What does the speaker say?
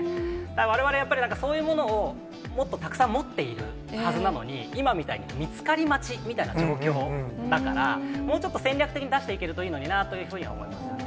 われわれやっぱり、そういうものをもっとたくさん持っているはずなのに、今みたいに見つかり待ちみたいな状況だから、もうちょっと戦略的に出していけるといいのになというふうに思いますね。